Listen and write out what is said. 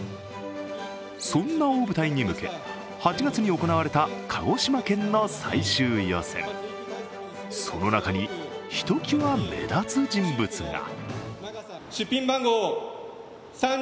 そんな大舞台に向け８月に行われた鹿児島県の最終予選その中にひときわ目立つ人物が。